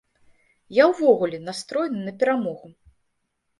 Я, увогуле, настроены на перамогу.